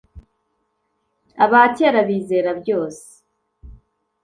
abakera bizera byose,